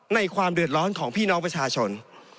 ความเดือดร้อนของพี่น้องประชาชน